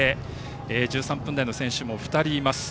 １３分台の選手も２人います。